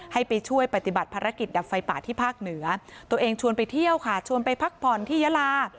ให้ไปช่วยปฏิบัติภารกิจดับไฟป่าที่ภาคเหนือตัวเองชวนไปเที่ยวค่ะชวนไปพักผ่อนที่ยาลา